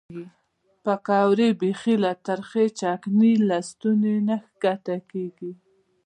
پیکورې بیخي له ترخې چکنۍ له ستوني نه ښکته کېږي.